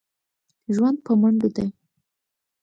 ژوند په منډو دی.